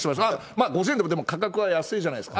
まあ５０円でも価格は安いじゃないですか。